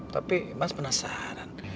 tapi mas penasaran